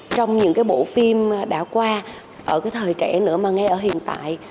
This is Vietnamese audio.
trong những cái bộ phim đã qua ở cái thời trẻ nữa mà ngay ở hiện tại